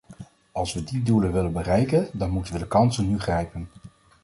Als we die doelen willen bereiken, dan moeten we de kansen nu grijpen.